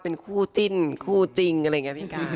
เป็นคู่จิ้นคู่จริงอะไรอย่างนี้พี่การ